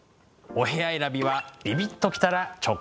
お部屋選びはビビッと来たら直感ですよ。